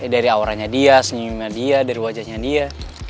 dari auranya dia senyumnya dia dari wajahnya dia